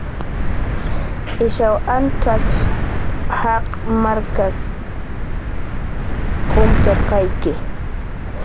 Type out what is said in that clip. Ishaw antzatx jaqiq markas k'umtxarqayki